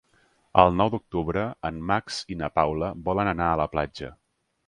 El nou d'octubre en Max i na Paula volen anar a la platja.